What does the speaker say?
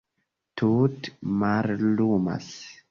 Tute mallumas.